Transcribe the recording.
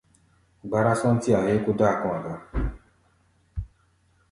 Gbárá-sɔ́ntí-a héé kó dáa kɔ̧́-a̧ ga.